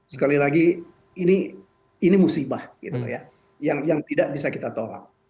sekali lagi ini musibah yang tidak bisa kita tolak